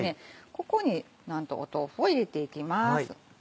ここになんと豆腐を入れていきます。